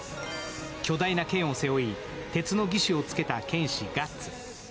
巨大な剣を背負い、鉄の義手をつけた剣士・ガッツ。